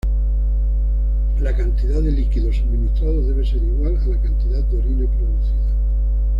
La cantidad de líquidos suministrados debe ser igual a la cantidad de orina producida.